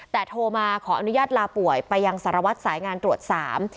แต่โทรมาขออนุญาตลาป่วยไปยังสารวัตรสายงานตรวจสาม